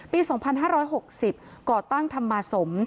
ปี๒๕๖๐ก่อตั้งธรรมสม